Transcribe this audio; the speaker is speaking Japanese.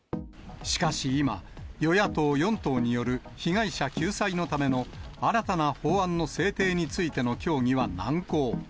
しかし今、与野党４党による被害者救済のための新たな法案の制定についての協議は難航。